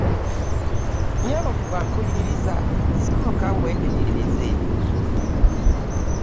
Nnyabo ggwe ampuliriza sooka weetereeze.